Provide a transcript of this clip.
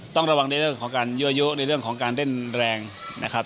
ต้องระวังในเรื่องของการยั่วยุในเรื่องของการเล่นแรงนะครับ